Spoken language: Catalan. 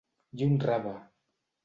I un rave!